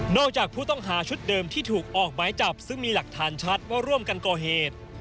จากผู้ต้องหาชุดเดิมที่ถูกออกหมายจับซึ่งมีหลักฐานชัดว่าร่วมกันก่อเหตุ